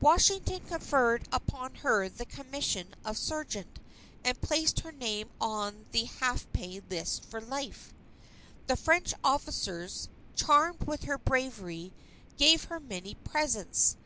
Washington conferred upon her the commission of sergeant, and placed her name on the half pay list for life. The French officers, charmed with her bravery, gave her many presents.